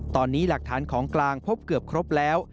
ตอนนี้หลักฐานของกลางพบเกือบครบแล้ว